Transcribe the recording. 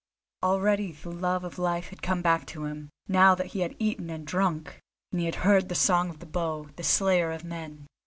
Already the love of life had come back to him, now that he had eaten and drunk, and had heard the Song of the Bow, the Slayer of Men.